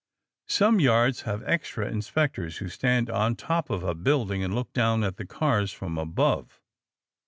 Some yards have extra inspectors who stand on top of a building and look down at the cars from above.